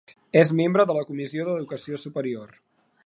És membre de la Comissió d'Educació Superior.